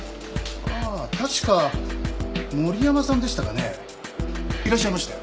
ああ確か森山さんでしたかねいらっしゃいましたよ